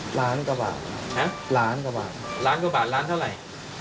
ห้ะล้านกว่าบาทล้านกว่าบาทเหลิตเท่าไหร่